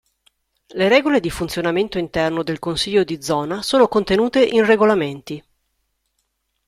Le regole di funzionamento interno del Consiglio di zona sono contenute in regolamenti.